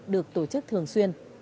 được tổ chức thường xuyên